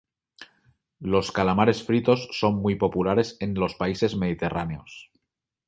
Los calamares fritos son muy populares en los países mediterráneos.